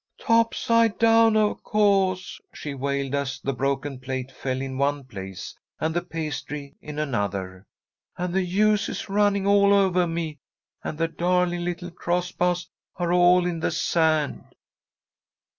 "Topside down, of co'se," she wailed, as the broken plate fell in one place, and the pastry in another. "And the juice is running all ovah me, and the darling little cross bahs are all in the sand!"